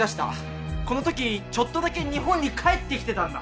この時ちょっとだけ日本に帰ってきてたんだ。